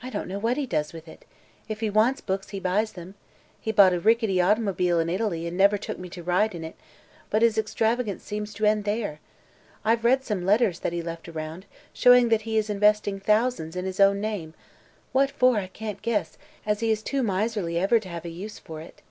"I don't know what he does with it. If he wants books, he buys them; he bought a rickety automobile in Italy and never took me to ride in it; but his extravagance seems to end there. I've read some letters that he left around, showing that he is investing thousands in his own name what for, I can't guess, as he is too miserly ever to have a use for it."